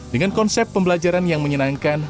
dengan konsep pembelajaran yang menyenangkan